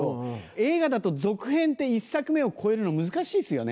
映画だと続編って１作目を超えるの難しいですよね。